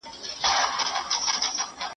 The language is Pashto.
په ټولیز ډول د دې ټولو کلمو مانا ورته ده.